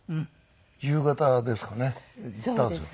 夕方ですかね行ったんですよ。